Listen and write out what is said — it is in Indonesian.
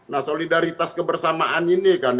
nah solidaritas kebersamaan ini kan